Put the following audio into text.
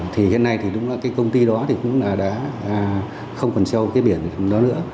thì hiện nay thì đúng là cái công ty đó thì cũng là đã không còn treo cái biển đó nữa